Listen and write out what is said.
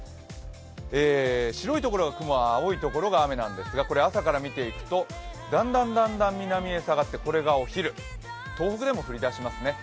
白いところが雲、青いところが雨なんですが、朝から見ていくと、だんだん南へ下がってこれがお昼、東北でも降り出しますね。